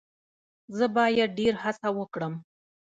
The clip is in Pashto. زه باید ډیر هڅه وکړم.